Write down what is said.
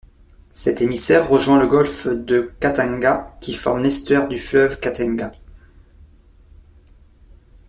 Cet émissaire rejoint le golfe de Khatanga, qui forme l'estuaire du fleuve Khatanga.